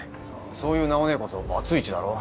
そういうナオ姉こそバツイチだろ。